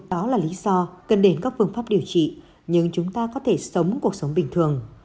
đó là lý do cần đến các phương pháp điều trị nhưng chúng ta có thể sống cuộc sống bình thường